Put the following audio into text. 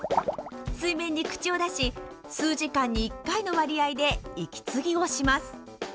水面に口を出し数時間に１回の割合で息継ぎをします。